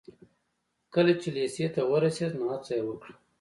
کله چې لېسې ته ورسېد نو هڅه يې وکړه.